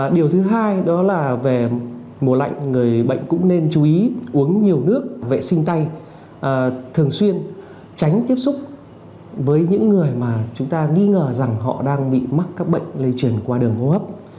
điều thứ hai đó là về mùa lạnh người bệnh cũng nên chú ý uống nhiều nước vệ sinh tay thường xuyên tránh tiếp xúc với những người mà chúng ta nghi ngờ rằng họ đang bị mắc các bệnh lây truyền qua đường hô hấp